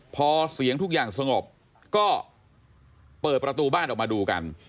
พอเสียงทุกอย่างสงบก็เปิดประตูบ้านออกมาดูกัน